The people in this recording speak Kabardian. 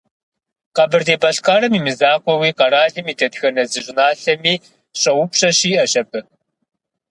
Къэбэрдей-Балъкъэрым имызакъуэуи, къэралым и дэтхэнэ зы щӏыналъэми щӏэупщӏэ щиӏэщ абы.